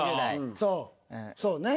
そうそうね。